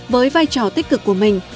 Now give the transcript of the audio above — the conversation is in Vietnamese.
với vai trò tích cực của mình